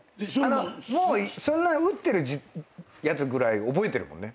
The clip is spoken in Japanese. もう打ってるやつぐらい覚えてるもんね？